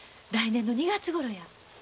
来年の２月ごろや。